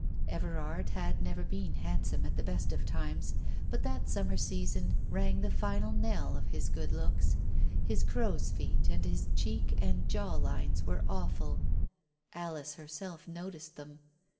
Everard had never been handsome at the best of times, but that summer season rang the final knell of his good looks. His crow's feet and his cheek and jaw lines were awful — Alice herself noticed them.